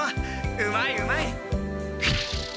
うまいうまい！